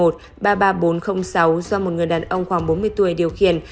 do một người đàn ông khoảng bốn mươi tuổi điều khiển